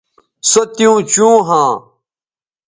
سو تیوں چوں ھواں